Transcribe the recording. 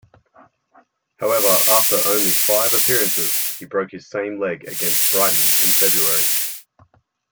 However, after only five appearances, he broke his same leg against Brighton in February.